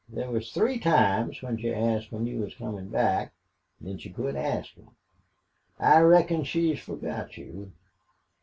There was three times she asked when you was comin' back. Then she quit askin'. I reckon she's forgot you.